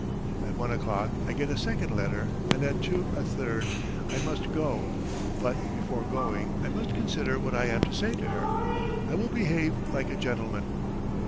At one o'clock I get a second letter, and at two, a third .... I must go. ... But before going I must consider what I am to say to her. I will behave like a gentleman.